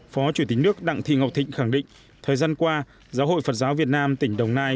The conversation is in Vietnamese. phó chủ tịch nước đặng thị ngọc thịnh khẳng định thời gian qua giáo hội phật giáo việt nam tỉnh đồng nai